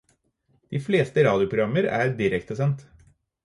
De fleste radioprogrammer er direktesendt.